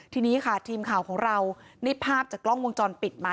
ทีนี้ค่ะทีมข่าวของเราได้ภาพจากกล้องวงจรปิดมา